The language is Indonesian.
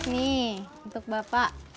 nih untuk bapak